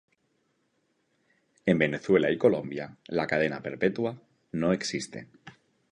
En Venezuela y Colombia la cadena perpetua no existe.